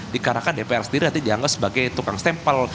dikarenakan dpr sendiri nanti dianggap sebagai tukang stempel